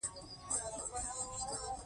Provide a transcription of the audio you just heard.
چین د سیلک لارې له لارې سوداګري پرمختللې وه.